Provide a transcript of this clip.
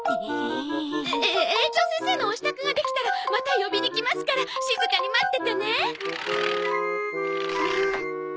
え園長先生のお支度ができたらまた呼びに来ますから静かに待っててね。